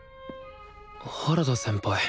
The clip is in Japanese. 原田先輩